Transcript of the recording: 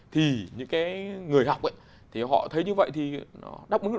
thì những người học ấy họ thấy như vậy thì nó đáp ứng được luôn